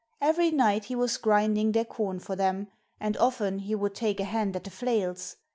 Every night he was grinding their corn for them, and often he would take a hand at the flails.